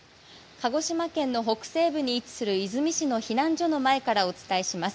鹿児島県の北西部に位置する出水市の避難所の前からお伝えします。